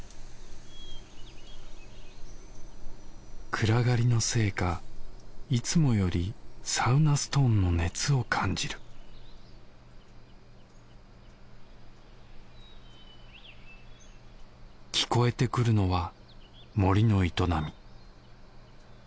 暗がりのせいかいつもよりサウナストーンの熱を感じる聞こえてくるのは森の営み。